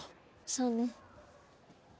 そうね。